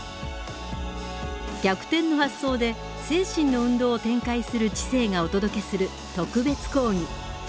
逆転の発想で精神の運動を展開する知性がお届けする特別講義。